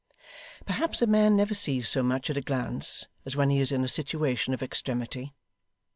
Perhaps a man never sees so much at a glance as when he is in a situation of extremity.